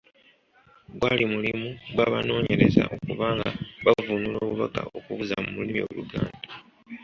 Gwali mulimu gw’abanooyereza okuba nga bavvuunula obubaka okubuzza mu lulimi Oluganda.